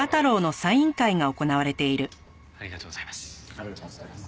ありがとうございます。